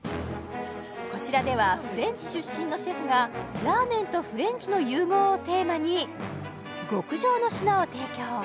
こちらではフレンチ出身のシェフがラーメンとフレンチの融合をテーマに極上の品を提供